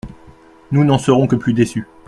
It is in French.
Nous n’en serons que plus déçus.